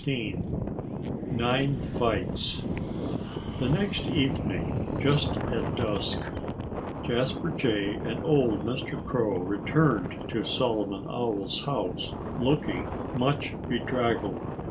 XVI Nine Fights The next evening, just at dusk, Jasper Jay and old Mr. Crow returned to Solomon Owl's house, looking much bedraggled.